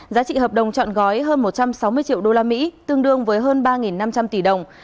giá trị hợp đồng chọn gói hơn một trăm sáu mươi triệu usd tương đương với hơn ba năm trăm linh tỷ đồng